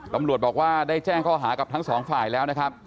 ตำรวจบอกว่าได้แจ้งข้อหากับทั้งสองฝ่ายแล้วนะครับ